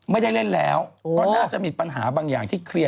กางน้ำมันต้องเกาหลีดิ